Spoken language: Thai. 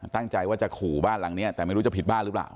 ตั้งใจว่าจะขู่บ้านหลังนี้แต่ไม่รู้จะผิดบ้านหรือเปล่า